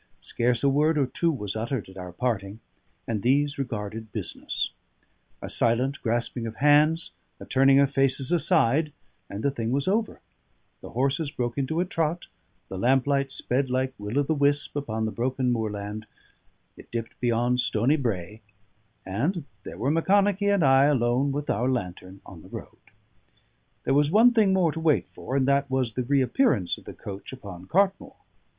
Scarce a word or two was uttered at our parting, and these regarded business: a silent grasping of hands, a turning of faces aside, and the thing was over; the horses broke into a trot, the lamplight sped like Will o' the Wisp upon the broken moorland, it dipped beyond Stony Brae; and there were Macconochie and I alone with our lantern on the road. There was one thing more to wait for, and that was the reappearance of the coach upon Cartmore.